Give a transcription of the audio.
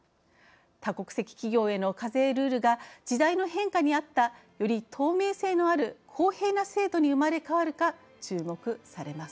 多国籍企業への課税ルールが時代の変化にあったより透明性のある公平な制度に生まれ変わるか、注目されます。